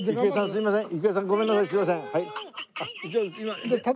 すいません。